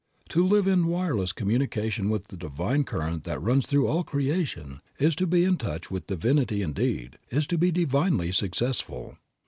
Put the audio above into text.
To live in wireless communication with the divine current that runs through all creation is to be in touch with Divinity indeed, is to be divinely successful.